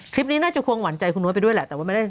คลิปนี้น่าจะควงหวานใจคุณนวดไปด้วยแหละแต่ว่าไม่ได้